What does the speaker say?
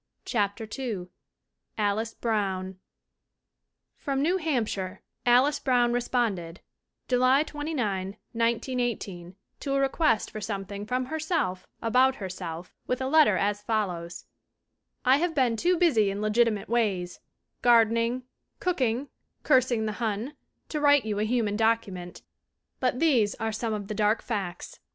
CHAPTER II ALICE BROWN FROM New Hampshire Alice Brown responded, , July 29, 1918, to a request for something from herself about herself with a letter as follows : "I have been too busy in legitimate ways garden ing, cooking, cursing the Hun to write you a human document. But these are some of the dark facts.